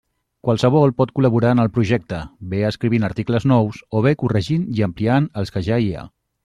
Qualsevol pot col·laborar en el projecte, bé escrivint articles nous, o bé corregint i ampliant els que ja hi ha.